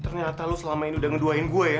ternyata lo selama ini udah ngeduain gue ya